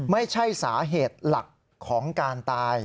ไม่ใช่สาเหตุหลักของการตาย